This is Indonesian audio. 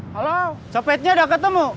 halo copetnya udah ketemu